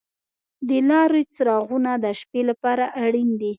د لارې څراغونه د شپې لپاره اړین دي.